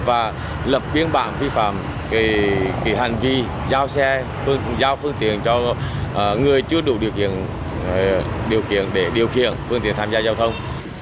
và lập biến bản vi phạm hành vi giao xe giao phương tiện cho người chưa đủ điều khiển để điều khiển phương tiện tham gia giao thông